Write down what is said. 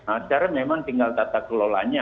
nah sekarang memang tinggal tata kelolanya